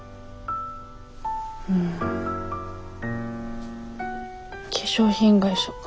うん化粧品会社かな一応。